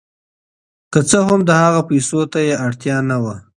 که څه هم د هغه پیسو ته یې اړتیا نه وه.